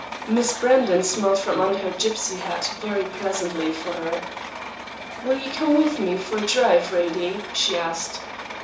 Miss Brandon smiled from under her gipsy hat very pleasantly for her. 'Will you come with me for a drive, Radie?' she asked.